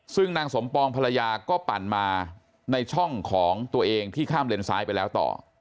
ซึ่งนางสมปองภรรยาก็ปั่นมาในช่องของตัวเองที่ข้ามเลนซ้ายไปแล้วต่อ